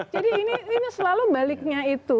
jadi ini selalu baliknya itu